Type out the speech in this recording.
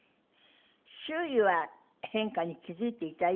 周囲は変化に気付いていたようですか？